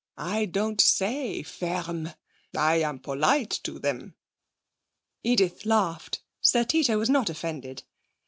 I don't say "Ferme!" I'm polite to them.' Edith laughed. Sir Tito was not offended.